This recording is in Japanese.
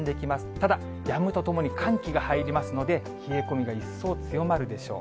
ただ、やむとともに寒気が入りますので、冷え込みが一層強まるでしょう。